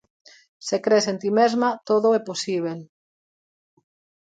Se cres en ti mesma, todo é posíbel.